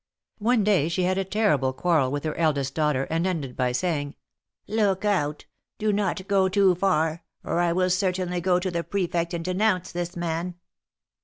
One day she had a terrible quarrel with her eldest daughter, and ended by saying : Look out ! Do not go too far, or I will certainly go to the Prefect and denounce this man."